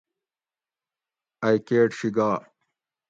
ائ کیٹ شی گا